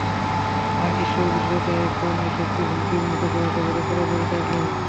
আর ঈশ্বর, বিশেষত এখন, এসবকে হুমকির মুখে ফেলাটা হবে পুরোপুরি পাগলামি।